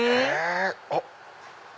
あっ！